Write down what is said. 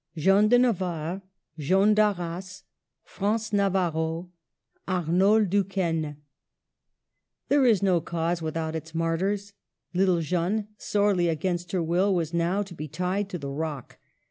Jehanne de Navarre. J. d'xA RRAS. Frances Navarro. Arnaul Duquesne. ^■ There is no cause without its martyrs. Little Jeanne, sorely against her will, was now to be tied to the rock.